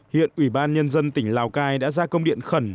hiện ủy ban nhân dân tỉnh lào cai đã ra công điện khẩn